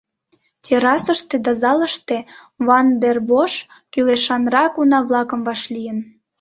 Террасыште да залыште Ван дер Бош кӱлешанрак уна-влакым вашлийын.